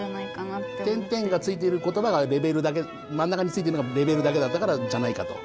「゛」がついていることばがまん中についてるのが「レベル」だけだったからじゃないかと。